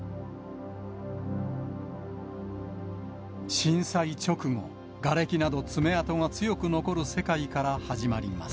震災直後、がれきなど爪痕が強く残る世界から始まります。